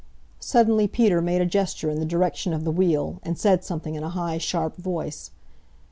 Suddenly Peter made a gesture in the direction of the wheel, and said something in a high, sharp voice.